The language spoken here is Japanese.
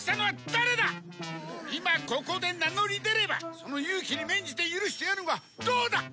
今ここで名乗り出ればその勇気に免じて許してやるがどうだ！？